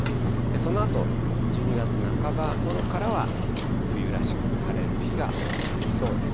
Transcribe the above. そのあと１２月半ばごろからは、冬らしく晴れる日が多くなりそうです。